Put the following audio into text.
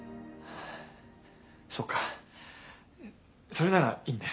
そっかそれならいいんだ。